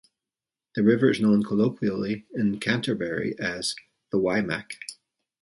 The river is known colloquially in Canterbury as "The Waimak".